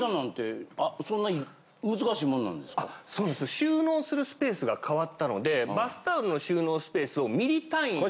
収納するスペースが変わったのでバスタオルの収納スペースをミリ単位で。